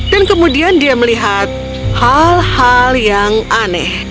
lalu raja melihat hal hal yang aneh